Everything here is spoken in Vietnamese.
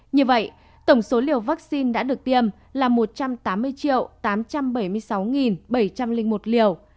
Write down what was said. như vậy tổng số liều vaccine đã được tiêm là một trăm tám mươi triệu tám trăm bảy mươi sáu bảy trăm linh một liều